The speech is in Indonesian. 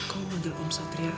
kamu ngajal om satria ayah